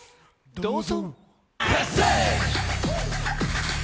どうぞ。